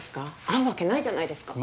合うわけないじゃないですか。